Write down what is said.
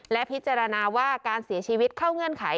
และพิจารณาว่าการเสียชีวิตเข้าเงื่อนไข